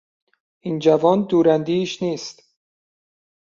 این جوان دوراندیش نیست.